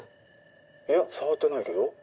いや触ってないけど？